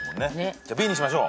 じゃあＢにしましょう。